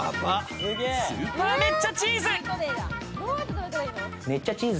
スーパーめっちゃチーズ。